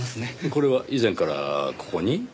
これは以前からここに？